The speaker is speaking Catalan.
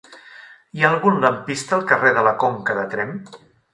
Hi ha algun lampista al carrer de la Conca de Tremp?